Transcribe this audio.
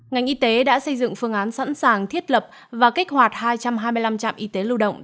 ngành y tế đã xây dựng phương án sẵn sàng thiết lập và kích hoạt hai trăm hai mươi năm trạm y tế lưu động